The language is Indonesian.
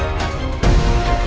tante aku mau pergi